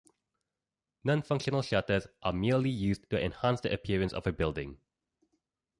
Non-functional shutters are merely used to enhance the appearance of a building.